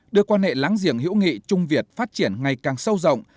đưa quan hệ láng giềng hữu nghị trung việt phát triển ngày càng sâu rộng